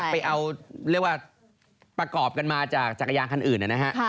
ไปเอาเรียกว่าประกอบกันมาจากจักรยานคันอื่นนะฮะ